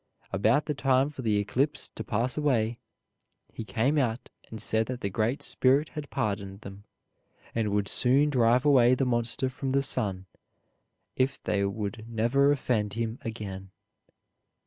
About the time for the eclipse to pass away, he came out and said that the Great Spirit had pardoned them, and would soon drive away the monster from the sun if they would never offend him again.